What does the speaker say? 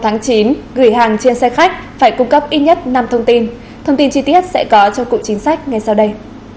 ngày chín tháng chín gửi hàng trên xe khách phải cung cấp ít nhất năm thông tin thông tin chi tiết sẽ có trong cụ chính sách ngay sau đây